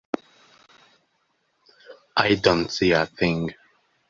I don't see a thing.